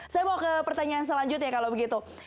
saya mau ke pertanyaan selanjutnya kalau begitu